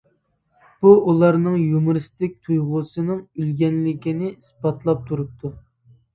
بۇ ئۇلارنىڭ يۇمۇرىستىك تۇيغۇسىنىڭ ئۆلگەنلىكىنى ئىسپاتلاپ تۇرۇپتۇ.